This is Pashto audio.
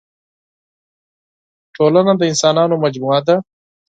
ټولنه د اسانانو مجموعه ده.